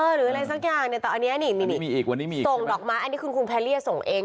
หรืออะไรสักอย่างเนี่ยแต่อันนี้เนี้ย